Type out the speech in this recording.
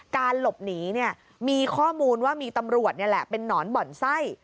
การหลบหนีเนี่ยมีข้อมูลว่ามีตำรวจนี่แหละเป็นนอนบ่อนไส้